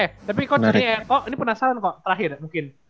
eh tapi coach ini penasaran coach terakhir mungkin